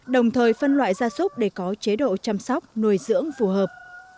đồng thời phân loại gia súc để có chế độ chăm sóc nuôi dưỡng phù hợp